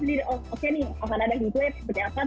prediksinya oke nih makanya ada gitu ya